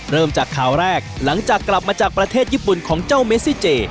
เริ่มจากข่าวแรกหลังจากกลับมาจากประเทศญี่ปุ่นของเจ้าเมซิเจ